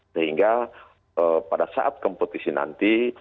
sehingga pada saat kompetisi nanti